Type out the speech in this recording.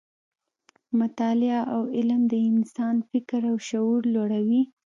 مطالعه او علم د انسان فکر او شعور لوړوي.